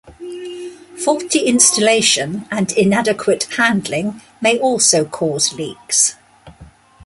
Faulty installation and inadequate handling may also cause leaks.